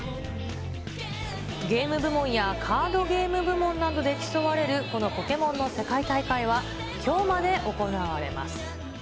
ゲーム部門やカードゲーム部門などで競われるこのポケモンの世界大会はきょうまで行われます。